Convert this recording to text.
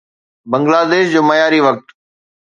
بنگلاديش جو معياري وقت